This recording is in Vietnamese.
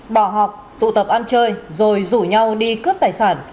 bỏ học tụ tập ăn chơi rồi rủ nhau đi cướp tài sản